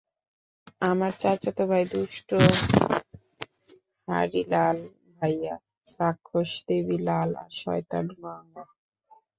আমার চাচাতো ভাই দুষ্ট হারিলাল ভাইয়া, রাক্ষস দেবি লাল আর শয়তান গঙ্গা।